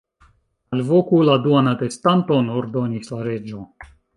"Alvoku la duan atestanton," ordonis la Reĝo.